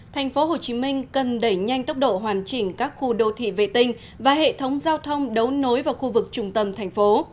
thành phố hồ chí minh cần đẩy nhanh tốc độ hoàn chỉnh các khu đô thị vệ tinh và hệ thống giao thông đấu nối vào khu vực trung tâm thành phố